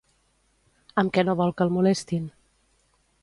Amb què no vol que el molestin?